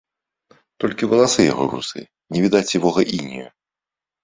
Толькі валасы яго русыя, не відаць сівога інею.